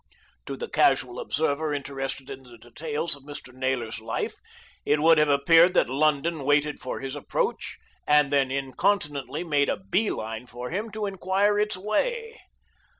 To the casual observer interested in the details of Mr. Naylor's life, it would have appeared that London waited for his approach, and then incontinently made a bee line for him to enquire its way.